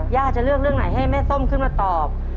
จะเลือกเรื่องไหนให้แม่ส้มขึ้นมาตอบ